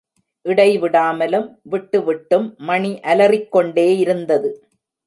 இடைவிடாமலும், விட்டு விட்டும் மணி அலறிக் கொண்டே இருந்தது.